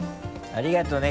ありがとうね。